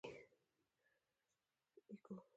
ایکوسیستم څه ته ویل کیږي